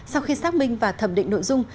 sau khi xác minh và thẩm định nội dung